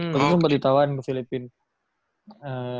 lalu sempet ditawain ke filipina